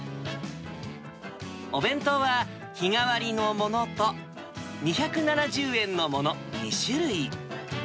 お弁当は、日替わりのものと、２７０円のもの、２種類。